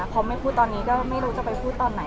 พอไม่พูดตอนนี้ก็ไม่รู้จะไปพูดตอนไหน